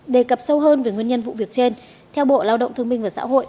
đề cập sâu hơn về nguyên nhân vụ việc trên theo bộ lao động thương minh và xã hội